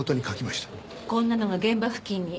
こんなのが現場付近に。